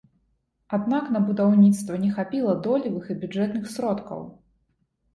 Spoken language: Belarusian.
Аднак на будаўніцтва не хапіла долевых і бюджэтных сродкаў.